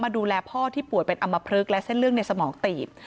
ดูแลพ่อที่ป่วยเป็นอำมพลึกและเส้นเลือดในสมองตีบ